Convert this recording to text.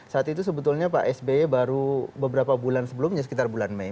saat itu sebetulnya pak sby baru beberapa bulan sebelumnya sekitar bulan mei